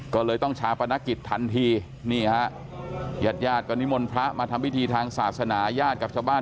ก็เลยต้องชาปนกิจทันทีนี่ฮะญาติญาติก็นิมนต์พระมาทำพิธีทางศาสนาญาติกับชาวบ้าน